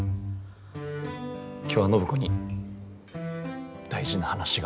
今日は暢子に大事な話が。